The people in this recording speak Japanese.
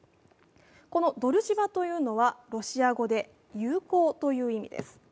このドルジバというのは、ロシア語で友好という意味です。